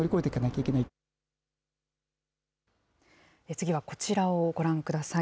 次はこちらをご覧ください。